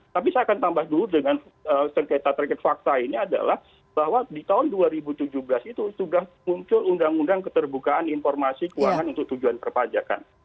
tapi saya akan tambah dulu dengan sengketa terkait fakta ini adalah bahwa di tahun dua ribu tujuh belas itu sudah muncul undang undang keterbukaan informasi keuangan untuk tujuan perpajakan